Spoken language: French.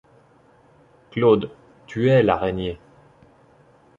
Claude, tu es l’araignée.